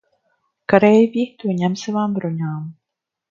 Kareivji to ņem savām bruņām.